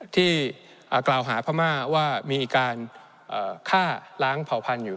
ที่กล่าวหาพม่าว่ามีการฆ่าล้างเผ่าพันธุ์อยู่